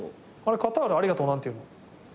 カタールは「ありがとう」何ていうの？